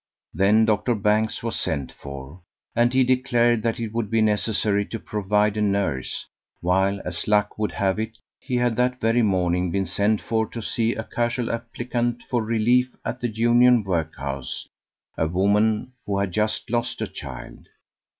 Then Doctor Banks was sent for, and he declared that it would be necessary to provide a nurse, while, as luck would have it, he had that very morning been sent for to see a casual applicant for relief at the Union workhouse a woman who had just lost a child.